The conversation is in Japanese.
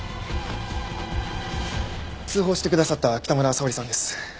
通報してくださった北村沙織さんです。